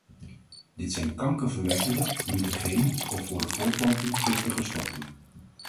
Dit zijn kankerverwekkende, mutagene of voor de voortplanting giftige stoffen.